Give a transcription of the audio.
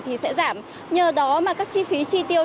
thì sẽ giảm nhờ đó mà các chi phí chi tiêu